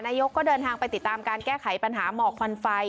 นายกก็เดินทางไปติดตามการแก้ไขปัญหาหมอกควันไฟ